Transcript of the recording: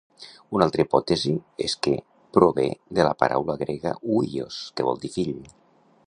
Una altra hipòtesi és que prové de la paraula grega "huios", que vol dir "fill".